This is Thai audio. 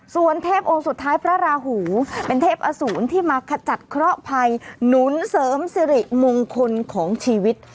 ส่วนเทพองค์สุดท้ายพระราหูเป็นเทพอสูรที่มาขจัดเคราะหภัยหนุนเสริมสิริมงคลของชีวิต